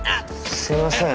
すいません。